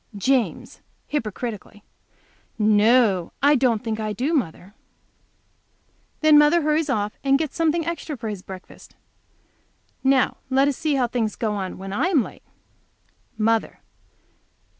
James, hypocritically. "No, I don't think I do, mother." Then mother hurries off and gets something extra for his breakfast. Now let us see how things go on when I am late. Mother.